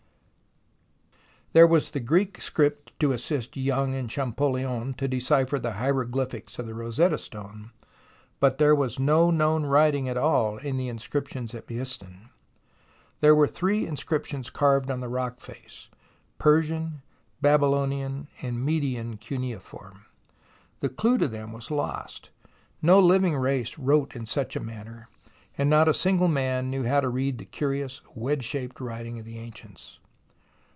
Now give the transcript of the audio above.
There was the Greek script to assist Young and Champollion to decipher the hieroglyphics of the Rosetta Stone, but there was no known writing at all in the inscriptions at Behistun. There were three inscriptions carved on the rock face, Persian, Babylonian and Median cuneiform. The clue to 8 114 THE ROMANCE OF EXCAVATION them was lost. No living race wrote in such a manner, and not a single man knew how to read the curious wedge shaped writing of the ancients.